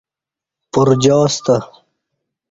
پُرجاستہ